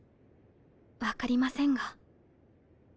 分かりませんが。